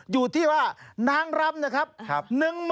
อยู่ที่ว่านางรำนะครับ